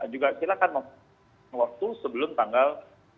juga silakan waktu sebelum tanggal enam tujuh puluh delapan